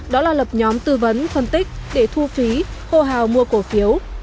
đó là lập nhóm tư vấn phân tích để thu phí hô hào mua cổ phiếu